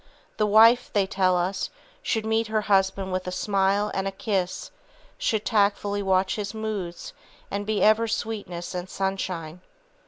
"The wife," they tell us, "should meet her husband with a smile and a kiss, should tactfully watch his moods and be ever sweetness and sunshine."